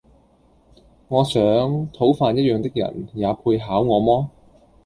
我想，討飯一樣的人，也配考我麼？